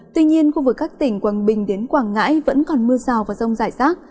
tuy nhiên khu vực các tỉnh quảng bình đến quảng ngãi vẫn còn mưa rào và rông rải rác